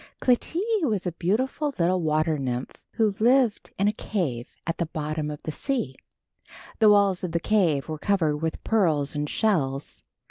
Clytie was a beautiful little water nymph who lived in a cave at the bottom of the sea. The walls of the cave were covered with pearls and shells.